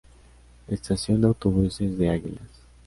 Estación de Autobuses de Águilas.